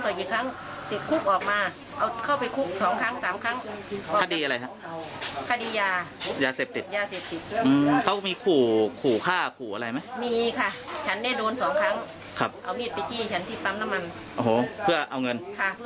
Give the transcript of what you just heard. โอ้โหเพื่อเอาเงินค่ะเพื่อเอาเงิน